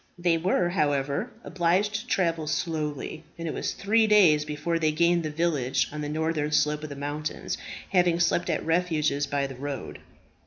They were, however, obliged to travel slowly, and it was three days before they gained the village on the northern slope of the mountains, having slept at refuges by the road.